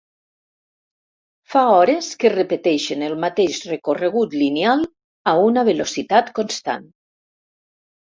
Fa hores que repeteixen el mateix recorregut lineal a una velocitat constant.